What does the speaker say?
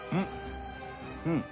うん！